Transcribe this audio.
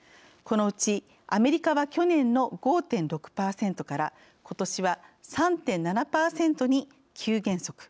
このうちアメリカは去年の５．６％からことしは３．７％に急減速。